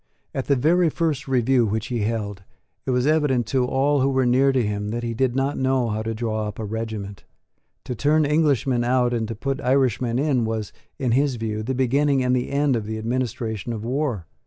At the very first review which he held, it was evident to all who were near to him that he did not know how to draw up a regiment. To turn Englishmen out and to put Irishmen in was, in his view, the beginning and the end of the administration of war.